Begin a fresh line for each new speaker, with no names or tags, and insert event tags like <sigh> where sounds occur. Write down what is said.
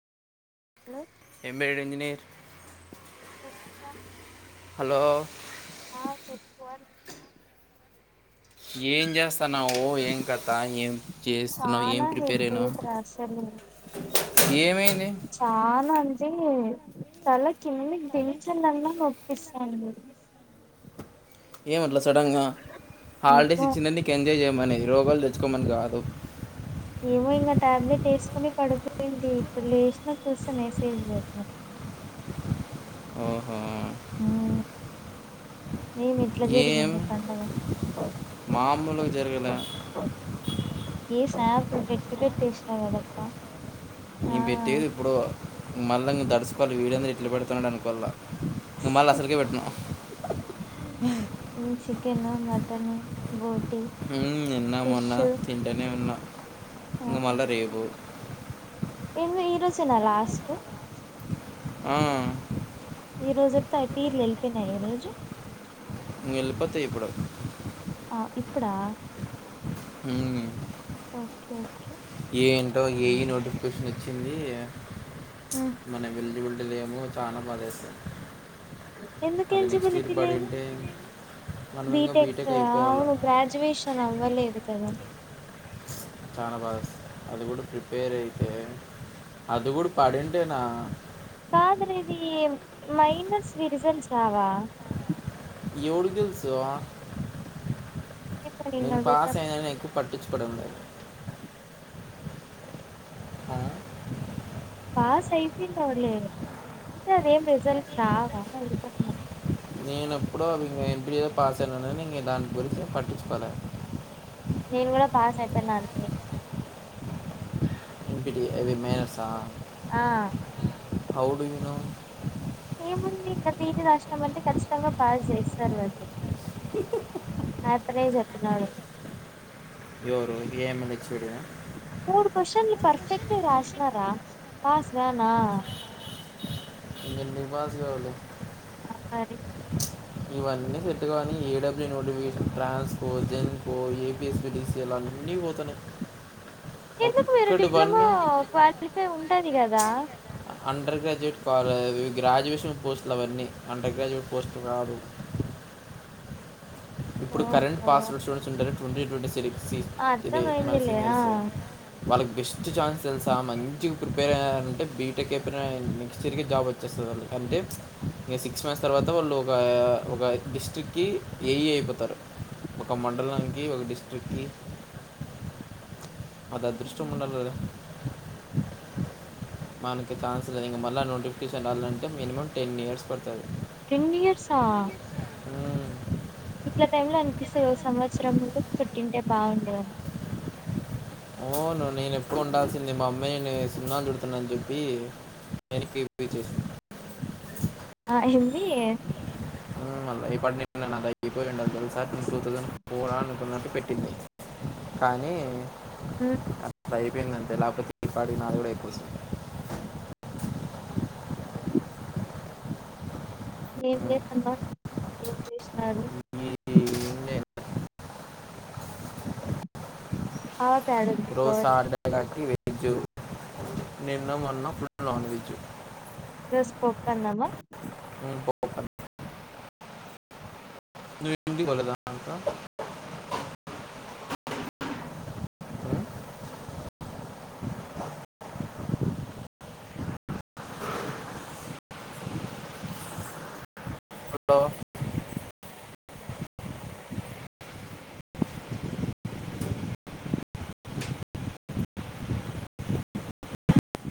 Hello
embed engineer
చెప్ రా
hello
ఆ చెప్పు అంటి
ఏం చేస్తాన్నావు ఏం కథ ఏం చేస్తున్నావు ఏం
చానా
ప్రిపేర్ అయినావు
హెడేక్ రా అసలు
ఏమైంది
చాల అంటే తల కిందికి దించిందన్న నొప్పిస్తాంది
ఏమట్ల సడన్ గా హాలిడేస్
ఏమో
ఇచ్చిండేది నీకు ఎంజాయ్ చేయమనేది రోగాలు తెచ్చుకోమని కాదు
ఏమో ఇంగా టాబ్లెట్ వేసుకొని పడుకొనింటి ఇప్పుడు లేసినా చూస్తే మెసేజ్ లు పెట్నావ్
ఆహా
మ్మ్ ఏమి ఇట్లా జరిగింది పండగ
మాములుగా జరగల
ఏ స్నాప్లు పెట్టి పెట్టి ఏశినావ్ కదప్పా ఆ
నేను పెట్టేది ఎప్పుడో మల్లంగా దస్ వీడెందిరా ఇట్లా పెడుతాన్నాడు అనుకోల్లా ఇంగ మళ్ళ అసలకే పెట్ను
మ్మ్ చికెను మటను బోటి
మ్మ్ నిన్నా
ఫిష్
మొన్న తింటానే ఉన్నా ఇంగా మళ్ళా రేపు
ఏంది ఈరోజేనా లాస్ట్
ఆ
ఈ రోజుటితో పీర్లు ఎల్లిపోయినాయి ఈ రోజు
ఇంగ ఎల్లిపోతా ఇప్పుడూ
ఆ ఇప్పుడా
మ్మ్
ఓకే ఓకే
ఏంటో ఏఈ నోటిఫికేషన్ వచ్చింది
మ్మ్
మనం ఎలిజిబిల్ ఏమో చానా బాధేస్తాంది
ఎందుకు ఎలిజిబిలిటీ లేదు
మనం ఇంకా
బిటెక్
బీటెక్
ఆ
అయిపోవాల.
అవును గ్రాడ్యుయేషన్ అవ్వలేదు కద
చానా బాధేస్తాంది అది కూడా ప్రిపేర్ అయితే అది గూడా పడింటేనా
కాదుర ఇది మైనస్ వి రిజల్ట్స్ రావా
ఎవడకి తెలుసు
ఏమో
నేను పాస్
అడుగుతాను
అయినగాని ఎక్కువ పట్టించుకోవడం లేదు ఆమ్
పాస్ అయిపోయింది వాళ్ళు అంటే అద ఏం రిజల్ట్స్ రావా అంటన్నార <unintelligible>
నేను ఎప్పుడ ఇ <unintelligible> ఎప్పుడు ఏదో పాస దాని గురించి పట్టించుకోలే
నేను కూడా పాస్ అయిపోయినా అండి
ఎీ అభ మేనస్ <unintelligible>
ఆ
హౌ డూ యూ నో
ఏముంది ఇంకా తిరి <unintelligible> రాసినామ అంటే ఖచ్చితంగా పాస్ చేస్తారు మళ్ళు రాత్రే చెప్పినాడు
ఎవరు ఏఎంల్ ఇచ్చుడ <unintelligible>
మూడు క్వశ్చన్లు పర్ఫెక్ట్ రాసినారా పాస్గానా
ఇంకా ఎందుకు పాస్ కావులే
సర <unintelligible>
ఇవన్నీ సేట్టు కావని ఏడబ్ల్యూ notification Transco Genco A SPDCL అన్నీ పోతున్నాయి
ఎందుకు మీరు
ఒక్కటి పడిన
డిప్లొమో క్వాలిఫై ఉంటది కదా
అండర్ గ్రాడ్యుయేట్ <unintelligible> గ్రాడ్యుయేషన్ పోస్టులు అవన్నీ అండర్ గ్రాడ్యుయేట్ పోస్టులు కాదు ఇప్పుడు కరెంట్
ఓహో
పాస్వర్డ్స్ చూడసి ఉంటారు ట్వంటీ ట్వంటీ <unintelligible> సెరిక్సీ ఇదే
అర్థమైందిలే
మన
ఆ
వాళ్ళకి బెస్ట్ ఛాన్స్ తెలుసా మంచిగా ప్రిపేర్ అయ్యరంటే బీటెక్ అయిపోయినా నెక్స్ట్ ఇయర్ క జాబ్ వచ్చ వచ్చేస్తది ఆళ్ళకి అంటే ఇక సిక్స్ మంత్స్ తర్వాత వాళ్ళు ఒక ఒక డిస్ట్రిక్ట్ కి ఏఈ అయిపోత త్తర్ ఒక మండలానికి ఒక డిస్ట్రిక్కి అది అదృష్టం ఉండాలి కదా మనకి ఛాన్స్ లేదు ఇంగా మళ్ళీ నోటిఫికేషన్ రాలంటే మినిమం టెన్ ఇయర్స్ పడుతది
టెన్ ఇయర్సా
మ్మ్.
ఇట్ల టైమ్ లో అనిపిస్తుంది ఒక సంవత్సరం ముందు పుట్టింటే బాగుండద
అవును నేను ఎప్పుడు ఉండాల్సింది మా అమ్మ నేను సున్నాను చుడుతున్నా అని చెప్పి ఎ <unintelligible>
ఆ హిందీ
మల్ల ఈ పటిండు నాద అయిపోయి రెండ తలసాట్ టూ థౌసండ్ ఫోర్ అని తొనటిటు పెట్టింది <unintelligible> కానీ
ఉం
అట్లా అయిపోయిందంతే లేకపోతే ఈ పాటికీ నాది కూడా అయిపోతుంది
ఏం
ఉమ్,
చేసమ్మా ఏం చేసినారు <unintelligible>
ఈ నేను
ఆ ప్యాడడి <unintelligible>
రోజు సార్ నిన్న అన్న ప నన్ వెజు <unintelligible>
ఈరోజు పప్పన్నం మా
ఉం ప బ <unintelligible> ఉమ్, హలో